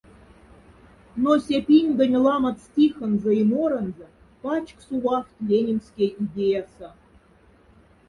Но ся пингонь ламоц стихонза и моронза пачк сувафт ленинскяй идеяса.